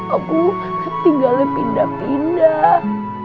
aku tinggalnya pindah pindah